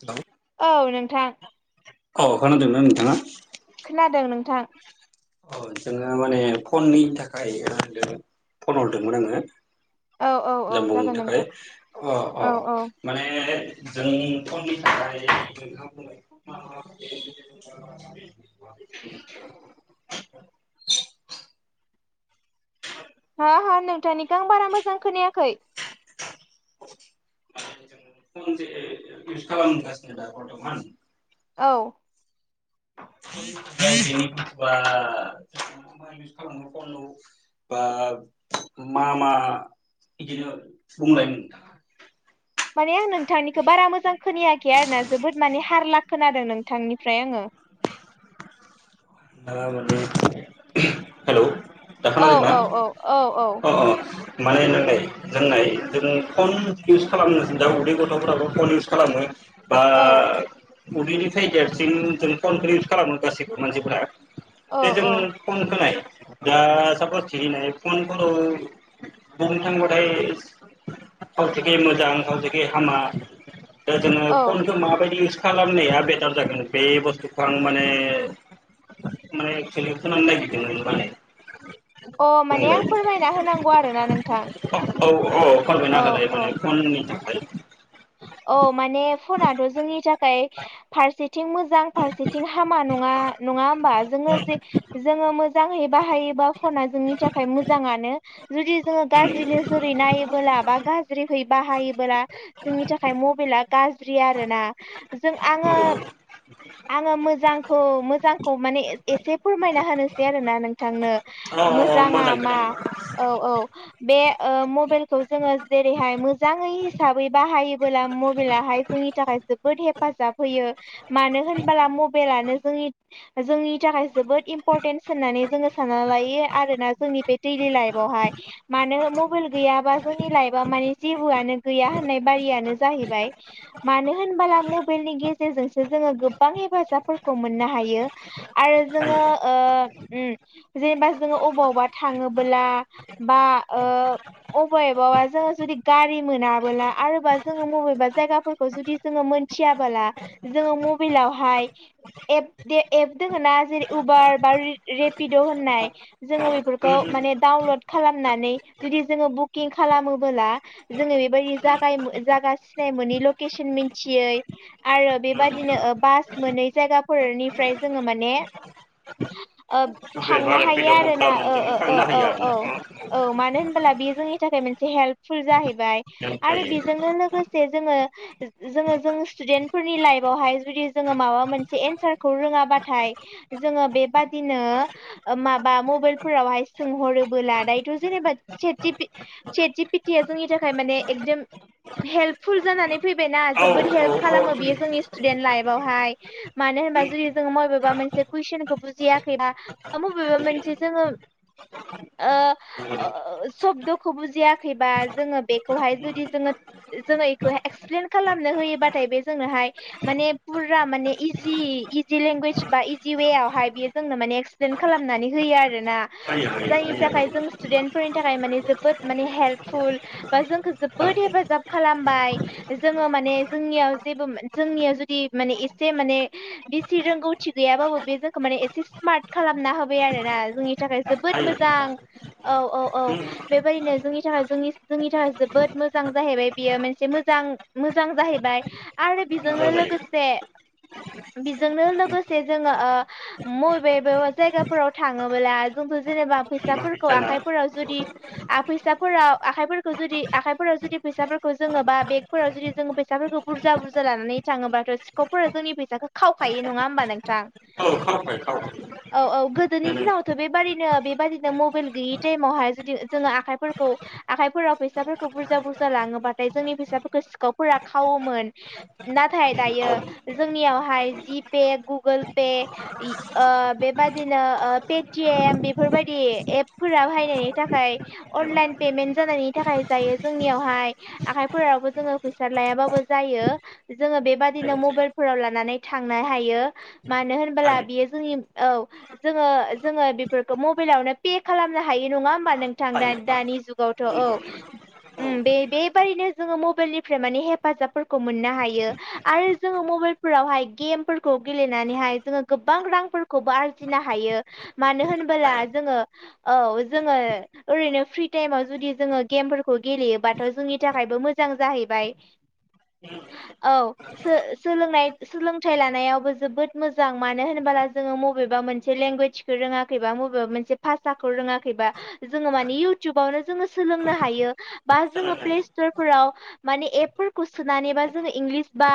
Hello औ नोंथां अ खोनादोंना नोंथाङा खोनादों नोंथां अ जोङो माने फननि थाखाय होनदों फन हरदोंमोन आङो औ औ औ जानबुंनि जागोन थाखाय नोंथां अ अ औ औ माने जोंनि फननि थाखाय [unintelligible] [unintelligible] हा-हा नोंथांनिखौ आं बारा मोजां खोनायाखै [inaudible] [unintelligible] औ [unintelligible] [unintelligible] बा मा मा बिदिनो बुंलायमोन माने आं नोंथांनिखौ बारा मोजां खोनायाखै आरोना जोबोद माने हारला खोनादों नोंथांनिफ्राय आङो दा माने हेलौ दा औ खोनादोंना औ औ औ औ अ अ मान होनदों [unintelligible] जों नाय जों फन इउस खालामनो दा उदै गथ'फोराबो फन इउस खालामो बा औ उदैनिफ्राय देरसिन जों कनफारेन्स खालामो गासैबो मानसिफोरा दे जों औ औ फन खाय दा सापस थिनाय फनखौल' बुंनो थांबाथाय खावसेखै मोजां खावसेखै हामा दा जोङो औ फनखौ माबायदि इउ खालामनाया बेटार जागोन बे बुसथुखौ आं माने माने खलिखौ [unintelligible] आलादों [unintelligible] मालाय अ माने आं फोरमायना होनांगौ आरोना नोंथां औ औ फोरमायनो औ होलाय औ माने फननि थाखाय औ माने फनाथ' जोंनि थाखाय [unintelligible] फारसेथिं मोजां फारसेथिं हामा नङा नङा होमबा जोङो जे जोङो मोजाङै बाहायोबा फना जोंनि थाखाय मोजाङानो जुदि जोङो औ गाज्रि नोजोरै नायोबोला बा गाज्रियै बाहायोबोला जोंनि थाखाय मबाइला गाज्रि आरोना जों आङो आङो मोजांखौ मोजांखौ माने एसे फोरमायना होनोसै आरोना नोंथांनो औ मोजाङा मोजां खोथा मा औ औ बे ओ मबाइलखौ जोङो जेरैहाय मोजाङै हिसाबै बाहायोबोला मबाइलाहाय जोंनि थाखाय जोबोद हेफाजाब होयो। मानो होनबोला मबाइलानो जोंनि जोंनि थाखाय जोबोद इम्पर्टेन्स होननानै जोङो सानना लायो आरोना जोंनि बे दैलि लाइफवहाय मानो मबाइल गैयाबा जोंनि लाइफ आ माने जेबोयानो गैया होननाय यानो जाहैबाय मानो होनबोला मबाइलनि गेजेरजोंसो जोङो गोबां हेफाजाब खौ मोननो हायो आरो हायो ओ ओम जोङो जेनेबा जोङो अबाव अबबा थाङो। बोला अबाबबा जोङो जुदि जोङो गारि मोनाबोला आरोबा जोङो बबेबा जायगाफोरखौ जुदि जोङो मोनथियाबोला जोङो मबाइलावहाय एप एप दोङ ना जेरै उबार बा रेपिड' होननाय जोङो बे बेफोर माने डाउनल खालामनानै जुदि जोङो बुकिं खालामोला जोङो बेबायदि जायगा जागा सिनाय मोननि लकेसन मिथियै आरो बेबादिनो ओ बास मोनै जायगाफोरनिफ्राय जोङो माने [unintelligible] ओ थांनो बेबहार हायो बिदबखौ आरो ना खालामनानै ओ जोङो ओ ओ थांनो ओ हायो औ आरोना औ औ मानो होनबोला बे जोंनि थाखाय मोनसे हेल्पफुल जाहैबाय जों आरो जायो बेजोंनो लोगोसे जोङो जोङो जों स्टुडेन्टफोरनि लाइफयावहाय जुदि जोङो माबा मोनसे एन्सारखौ रों जाबाथाय जोङो बे बादिनो ओम माबा मबाइलफोरावहाय सोंहरोब्ला नानै जेनेबा जेपिथिया जोंनि थाखाय माने एकदम हेल्पफुल जानानै फैबायना औ जोबोद औ हेल्प औ खालामो उम बेयो जोंनि स्टुडेन्ट लाइफवहाय माने होनबा जुदि जोङो मबेबा मोनसे कुइसनखौ बुजियाखैबा बा मबेबा मोनसे जोङो ओ नंगौ। ओ सब्दखौ बुजियाखैबा जोङो बे एखौहाय जुदि जोङो एखौहाय इक्फप्लेन खालामनो होयोबाथाय बे जोंनोहाय माने फुर फुरा माने इजि इजि लेंगुवेज बा इजि ववेआवहाय बेयो जोंनो माने एक्सप्लेन खालामनानै होयो आरोना हायो । हायो जायनि हायो थाखाय हायो जों स्टुदेन्टफोरनि थाखाय माने जोबोद माने हेल्पफुल बा जोंखौ जोबोद थारैनो हेफाजाब खालामबाय जोङो माने जोंनियाव जेबो जोंनियाव जुदि माने एसे माने बिसि रोंगौथि गैयाबाबो बे जोंखौ माने एसे स्मार्ट खालामना होबाय आरो ना जोंनि थाखाय जोबोद हायो। मोजां औ औ औ उम बेबायदिनो जोंनि थाखाय जोंनि जोंनि थाखाय जोबोद मोजां जाहैबाय बियो मोनसे मोजां मोजां जाहैबाय आरो बेजोंनो मोजां लोगो जायो गोसे बेजोंनो लोगोसे जोङो ओ मबेअबा जायगाफोराव थाङोब्ला जों जेनेबा फैसाफोरखौ आखाइफोराव जुदि फैसाफोराव आखाइफोराव जुदि आखाइफोराव जुदि फैसाफोरखौ जोङो बा बेगफोराव जुदि जोङो फैसाफोरखौ बुरजा बुरजा लानानै थाङोबा सिखावफोरा जोंनि फैसाखौ खावखायो नङा हबा नोंथां औ खावबाय खावबाय औ औ गोद दिनि माने दिनावथ' बेबादिनो बेबादिनो मबाइल गैयि टाइमावहाय जुदि जोङो आखाइफोरखौ आखाइ फोराव फैसाफोरखौ बुरजा बुरजा लाङोबाथाय जोंनि फैसाफोरखौ सिखावफोरा खावोमोन नाथाय औ दायो जोंनियावहाय जि पे गुगोल पे इ ओ बेबायदिनो ओ पेटिएम बेफोरबायदि एप फोरा हायनायनि थाखाय एम अनलाइन पेमेन्ट जानानै थाखाय दायो जोंनियावहाय आखाइफोरावबो जोङो फैसा लायाबाबो जायो जोङो बेबा- दिनो हायो मबाइलफोराव लानानै थांनो हायो मानो होनबोला हायो बियो जोंनि औ जोङो जोङो बेफोरखौ मबाइलावनो पे खालामनो हायो नङा होमबा नों थां दा हायो हा दानि जुगावथ' औ नंगौ नंगौ औ उम बे बेबादिनो जोङो मबाइलनिफ्राय माने हेफाजाबफोरखौ मोननो हायो आरो जोङो मबाइल फोरावहाय गेम फोरफोरखौ गेलेनानैहाय जोङो गोबां रांफोरखौबो आरजिनो हायो मानो होनो ब्ला हायो जोङो औ जोङो ओरैनो फ्रि टाइमाव जुदि जोङो गेमफोरखौ गेलेयोबाथ' जोंनि थाखायबो मोजां जाहैबाय। औ सोलोंनाय सोलोंथाइ लानायावबो जोबोद मोजां मानो होनोब- जोङो मबेबा मोनसे लेंगुवेजखौ रोङाखैबा मबेबा मोनसे फासाखौ रोङाखैबा जोङो मानि इउटुबावनो जो सोलोंनो हायो । हायो बा जोङो सोलोंनाय प्ले सटर फोराव माने एपफोरखौ सोनानै बा जोङो इंलिस बा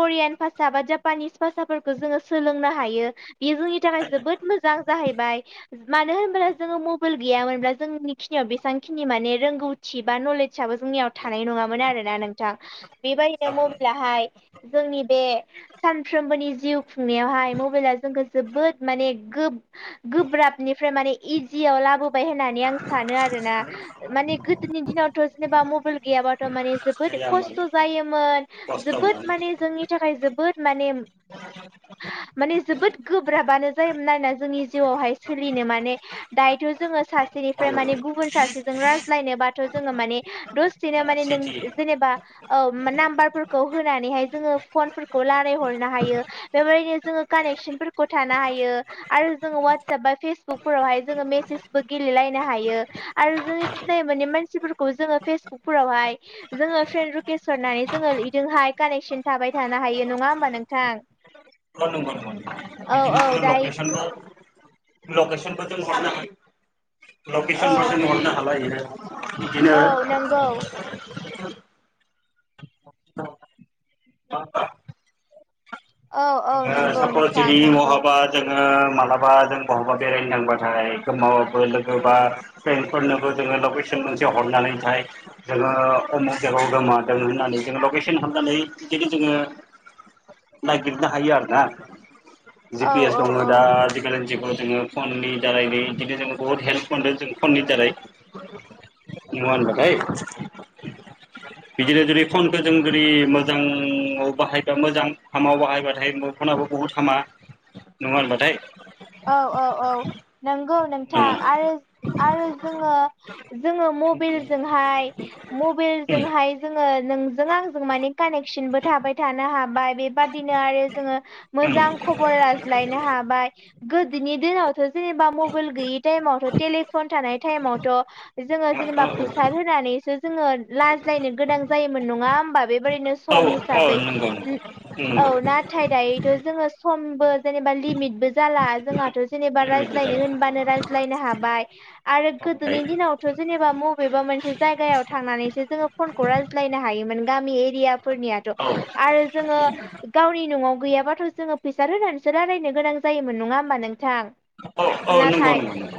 करियान भाषा बा जापानिस भाषाफोरखौ जोङो सोलोंनो हायो बेयो जोंनि थाखाय हायो हायो। जोबोद मोजां मोजां जाहैबाय मानो होनब्ला जोङो मबाइल गैयामोनब्ला जोंनि खिनियाव बेसेबां खिनि माने रोंगौथि बा नलेजाबबो जोंनियाव थानाय नङामोन आरो ना नोंथां ‌। बेबायदिनो जाफुं मबाइलाहाय जोंनि बे सानफ्रोमबोनि जिउ खुंनायावहाय मबाइला जोंखौ जोबोद माने गोब्राबनिफ्राय माने इजियाव लाबोबाय होननानै आं सानो आरोना । माने गोदोनि दिनावथ' जेनेबा मबाइल गैयाबाथ' माने जोबोद हाया खस्थ' मानो जायोमोन खस्थ' जोबोद मोनो माने जोंनि थाखाय जोबोद माने माने जोबोद गोब्राबानो जायोमोन आरोना जोंनि जिउआवहाय सोलिनो माने दाइ जोङो औ सासेनिफ्राय माने गुबुन सासे जों रायज्लायनोबाथ' जोङो माने दसेनो माने नों सिटि जेनेबा औ नाम्बारफोरखौ होनानैहाय जोङो फनफोरखौ लाराय हरनो हायो बेबायदिनो जोङो थानो हायो आरो जों वाटसाप बा फेसबुक फोरावहाय जोङो मेसेसबो गेलेलायनो हा हायो आरो जोङो सिनाय मोनै मानसिफोरखौ जोङो फेसबुकफोरावहाय जोङो फ्रेन्ड रुकेश हरनानै जोङो बिजोंहाय कानेक्सन थाबाय थानो हायो नङा होमबा नोंथां औ नंगौ नंगौ नंगौ औ बिदिनो औ दायो लकेसन लकेसन फोरजों हरनो हा लकेसन औ फोरजों हरनो हालायो बिदिनो औ नंगौ [inaudible] औ औ जो नंगौ नोंथां सपरचेरि नंगौ महाबा जोङो मालाबा जों बहा बेरायनो थांबाथाय सोरनावबाफोर लोगो बा फ्रेंफोरनोबो जोङो लकेसन मोनसे हरनानै जोङो उमुग जायगायाव दों होननानै जों लकेसन हरनानै जोङो नायगिर नो हायो आरोना जि औ फि एस औ दङ औ दा खौ जोङो फननि दारैनो बिदिनो जों बुहुत हेल्प मोनदों जों फननि दारै नङा होमबा लाय बिदिनो जुदि फनखौ जों जुदि मोजाङाव बाहायबा मोजां हामाव बाहायबा नाथाय फनाबो बहुत हामा नङा होमबा लाय औ औ औ नंगौ नोंथां आरो आरो जोङो जोङो मबेलजोंहाय मबेलजोंहाय जोङो नोंजों आंजों मानि कानेकसनबो थाबाय थानो हाबाय बेबादिनो आरो जोङो मोजां खबर लाज्लायनो हाबाय गोदोनि दिनावथ' जेनेबा मबाइल गैयै टाइमावथ' टेलिफन थानाय टाइमावथ' जोङो जेनेबा फैसा होनानैसो जोङो लाज्लायनो गोनां जायोमोन नङा होमबा बेबायदिनो औ सम औ हिसाबै नंगौ नंगौ औ नंगौ नाथाय दायोथ' जोङो समबो जेनेबा लिमितबो जाला जोंहाथ जेनेबा लिमिटबो रायज्लायनो जाबाय होनबानो राय्लायनो हाबाय आरो गोदोनि थाबाय दिनावथ जेनेबा मबेबा मोनसे जायगायाव थांनानैसो जोङो फनखौ रायज्लायनो हायोमोन गामि एरियाफोरनिया औ आरो जोङो गावनि न'आव गैयाबाथ जोङो फैसा होनानैसो रायलायनो गोनां ज जायोमोन नङा होमबा नोंथां औ औ नंगौ नाथाय नंगौ नंगौ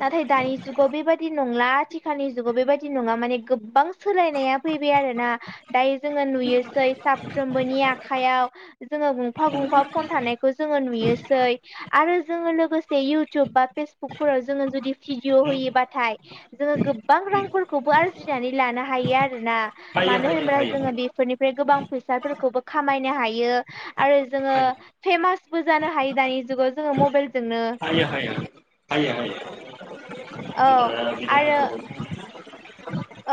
नाथाय दानि जुगाव बेबायाददि नंला आथिखालनि जुगाव बेबायदि नङा माने गोबां सोलायनाया फैबाय आरोना दायो जोङो नुयोसै साफ्रबोनि आखायाव जोङो गंफा गंफा गंफा फन थानायखौ जोङो नुयो आरो जोङो लोगोसे इउटुब बा फेसबुकफोराव जोङो जुदि भिडिअ नंगौ होयोबाथाय जोङो गोबां रांफोरखौबो आरजिनानै लानो हायो आरोना हायो मानो हायो होनोबा हायो जोङो बेफोरनि फ्राय गोबां फैसाफोरखौबो खामायनो हायो आरो जोङो हायो फेमासबो जानो हायो दानि जुगाव जोङो माबाइल हायो हयो हायो हायो औ दा आरो बिदिनो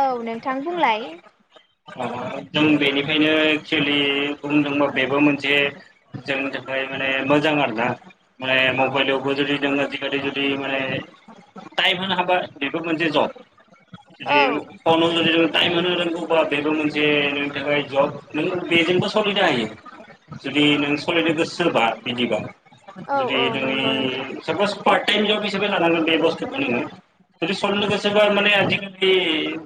औ नोंथां बुंलाय बेनिखायनो एक्सुलि बुंनो थाङोब्ला बेबो मोनसे जोंनि थाखाय माने मोजां आरोना मने मबाइलावबो नोङो थायेम हौनो हाबा मोनसे जब औ जुदि फनाव जुदि जों टाइमनो रोंगौबा बेबो मोनसे बेनि जब नों बेजोंबो सोलिनो हायो जुदि नों सलिनो गोसो सोरबा बिदिबा औ जुदि औ नंगौ नोंथां जोंनि सापस पार टाइम जब हिसाबै लाांगोन बेबस्थुखो नोङो जुदि सलिनो गोसे बा माने आजिखालि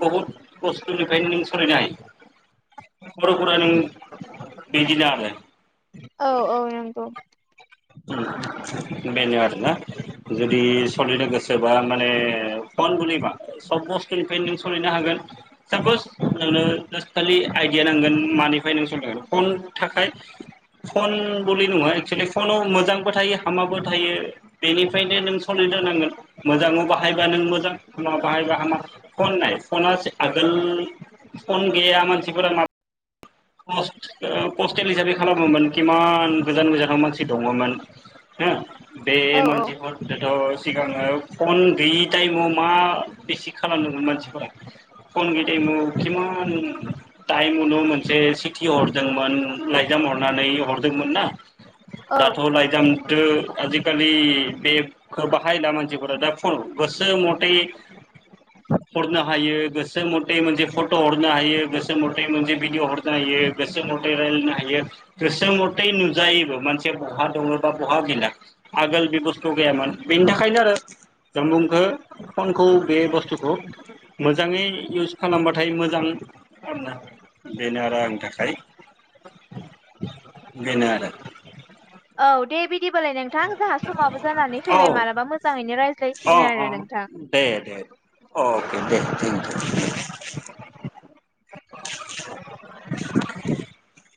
बहुत बस्तुनिफ्राय सलिनो हायो [unintelligible] औ औ नंगौ बेनो‌ आरोना जुदि सलिनो गोसोबा माने फन बुलिबा सब बुस्थुनिफ्राय नों सोलिनो हागोन सापस नोंनो जास्ट खालि आइडिया नांगोन मानिफ्राय नों सायगोन फन थाखाय फन बलि नङा एक्सुलि फनाव मोजांबो थायो हामाबो थायो बेनिफ्रायनो नों सालायनोरनांगोन मोजाङाव बाहायबानो मोजां [unintelligible] [unintelligible] पस्टेल हिसाबै खालामोमोन खिमान गोजान गोजानाव मानसि दङमोन। हो बे औ औ मानसिफोर दाथ सिगाङो फन गैयि टाइमाव मा बेसे खालामदोंमोन मानसिखौलाय फन गोयै टाइमा किमान टाइममोन। एसे सिटि हरदोंमोन लाइजाम हरनानै हरदोंमोन ना। औ दाथ लायजाम आजिखालि बेखौ बाहायला मानसिफोरा दा फन गोसो मथे हरनो हायो गोसो मथे मोनसे फट हरनो हायो गोसो मथे मोनसे भिडिअ हरनो गोसो मथेै रायलायनो हायो गोसो मथे नुजायोबो मानसिया बहा दङ बा बहा गैला आगोल बे बुस्थु गैयामोन बेनि थाखायनो आरो जों बुंख फनखौ बे बे बुस्थुखौ मोजाङै इउस खालामबाथाय मोजां आरोना बेनो आरो आंनि थाखाय बेनो आरो औ दे बिदिबालाय नोंथां जोंहा समाबो जानानै औ फैबाय मालाबा मोजाङैनो अ रायज्लायसिगोन आरो नोंथां। दे दे अके दे [unintelligible]